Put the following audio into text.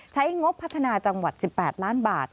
งบพัฒนาจังหวัด๑๘ล้านบาท